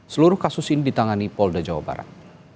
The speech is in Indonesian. seluruh kasus ini ditangani polda jawa barat